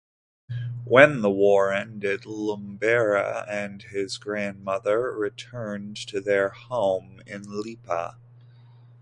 When the war ended, Lumbera and his grandmother returned to their home in Lipa.